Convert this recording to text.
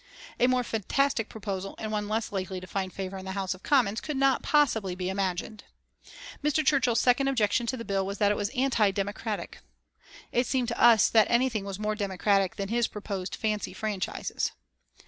A more fantastic proposal and one less likely to find favour in the House of Commons could not possibly be imagined. Mr. Churchill's second objection to the bill was that it was anti democratic! It seemed to us that anything was more democratic than his proposed "fancy" franchises.